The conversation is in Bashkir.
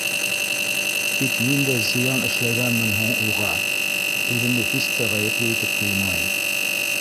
Тик ниндәй зыян эшләгәнмен һуң уға? Үҙемде һис тә ғәйепле итеп тоймайым.